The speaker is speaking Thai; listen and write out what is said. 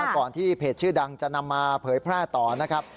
ก่อนที่เพจชื่อดังจะนำมาเผยแพร่ต่อนะครับ